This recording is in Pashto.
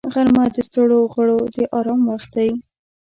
غرمه د ستړو غړو د آرام وخت دی